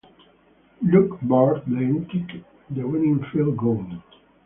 Luke Burt then kicked the winning Field Goal.